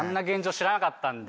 知らなかったんで。